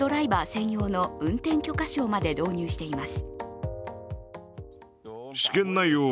専用の運転許可証まで導入しています。